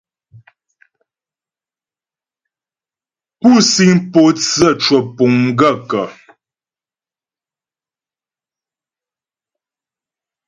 Pú síŋ pótsə́ cwə̀pùŋ m gaə̂ kə́ ?